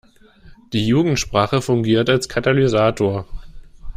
Die Jugendsprache fungiert als Katalysator.